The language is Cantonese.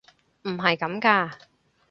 唔係咁㗎！